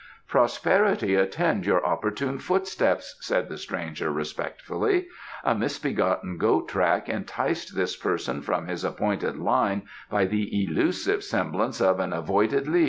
"Prosperity attend your opportune footsteps," said the stranger respectfully. "A misbegotten goat track enticed this person from his appointed line by the elusive semblance of an avoided li.